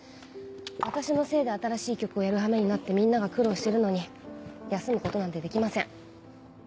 私のせいで新しい曲をやるはめになってみんなが苦労してるのに休むことなんてできません。